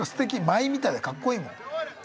舞みたいでかっこいいもん。